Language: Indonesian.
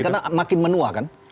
karena makin menua kan